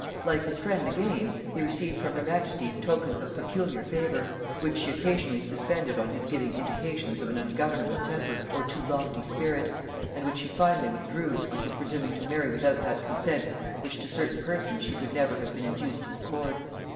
Like his friend again, he received from her majesty tokens of peculiar favor, which she occasionally suspended on his giving indications of an ungovernable temper or too lofty spirit, and which she finally withdrew, on his presuming to marry without that consent which to certain persons she could never have been induced to accord.